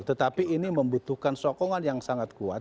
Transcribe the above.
tetapi ini membutuhkan sokongan yang sangat kuat